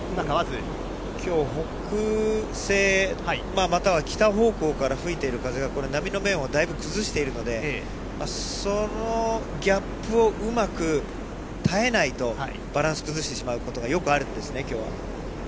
今日は北西、北方向から吹いてる風が波の面を崩しているのでそのギャップをうまく耐えないとバランスを崩してしまうことがよくあるんですね、今日は。